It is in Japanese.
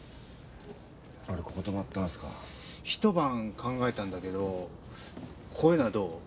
ひと晩考えたんだけどこういうのはどう？